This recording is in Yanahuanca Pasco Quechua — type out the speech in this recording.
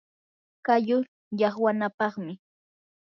qallu llaqwanapaqmi